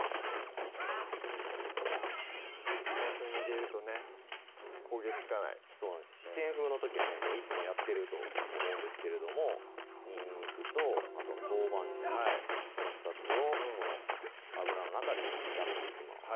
最初に入れるとね焦げつかないそうなんです四川風の時はねいつもやってると思うんですけれどもにんにくとあとは豆板醤この２つをこの油の中で炒めていきます